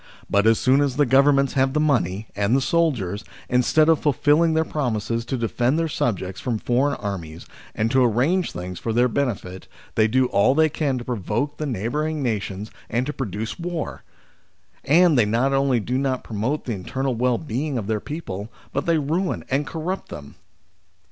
But as soon as the Governments have the money and the soldiers, instead of fulfilling their promises to defend their subjects from foreign enemies, and to arrange things for their benefit, they do all they can to provoke th6 neighbouring nations and to produce war ; and "they not only do not promote the internal well being of their people, but they ruin and corrupt them.